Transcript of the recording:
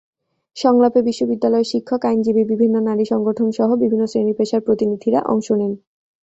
সংলাপে বিশ্ববিদ্যালয়ের শিক্ষক, আইনজীবী, বিভিন্ন নারী সংগঠনসহ বিভিন্ন শ্রেণি-পেশার প্রতিনিধিরা অংশ নেন।